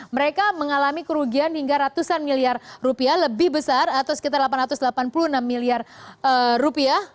mereka mengalami kerugian hingga ratusan miliar rupiah lebih besar atau sekitar delapan ratus delapan puluh enam miliar rupiah